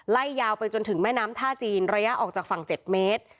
ไล่ยาวไปจนถึงแม่น้ำท่าจีนระยะออกจากฝั่ง๗เมตร